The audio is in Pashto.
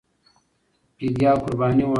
فدیه او قرباني وه.